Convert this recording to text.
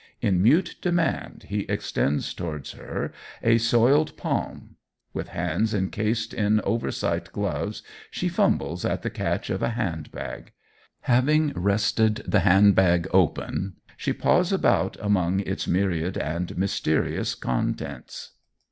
In mute demand he extends toward her a soiled palm. With hands encased in oversight gloves she fumbles at the catch of a hand bag. Having wrested the hand bag open, she paws about among its myriad and mysterious contents.